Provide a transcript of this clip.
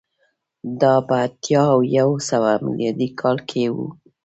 دا په اتیا او یو سوه میلادي کال کې و